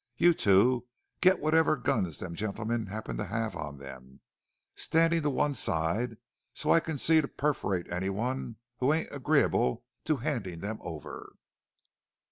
"You two get whatever guns them gentlemen happen to have on them, standing to one side so's I can see to perforate anyone who ain't agreeable to handing them over."